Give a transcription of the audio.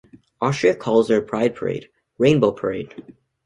Austria calls their Pride Parade "Rainbow Parade".